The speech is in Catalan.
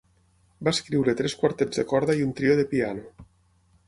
Va escriure tres quartets de corda i un trio de piano.